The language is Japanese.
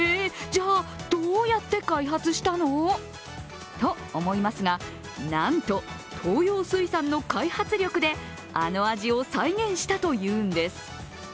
じゃあどうやって開発したの？と思いますがなんと東洋水産の開発力であの味を再現したというんです。